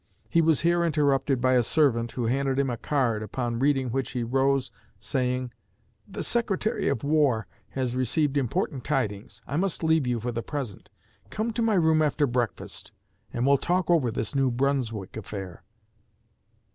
He was here interrupted by a servant, who handed him a card, upon reading which he arose, saying, 'The Secretary of War has received important tidings; I must leave you for the present; come to my room after breakfast and we'll talk over this New Brunswick affair."